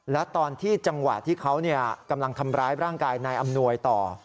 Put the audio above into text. และตอนที่จังหวะที่เขากำลังทำร้ายร่างกายนายอำนวยต่อ